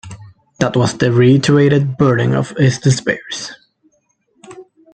That was the reiterated burden of his despair.